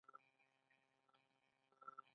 پنج سیند د کومو هیوادونو ترمنځ پوله ده؟